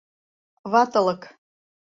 — Ватылык...